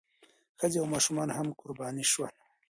ښځې او ماشومان هم قرباني شول.